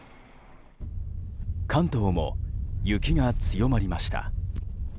関東も、雪が強まりました。